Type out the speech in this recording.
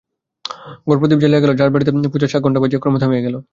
ঘরে প্রদীপ জ্বালাইয়া গেল, রাজবাটীতে পূজার শাঁখ-ঘণ্টা বাজিয়া ক্রমে থামিয়া গেল।